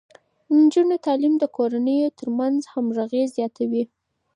د نجونو تعليم د کورنيو ترمنځ همغږي زياتوي.